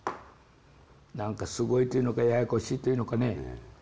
なんかすごいというのかややこしいというのかね。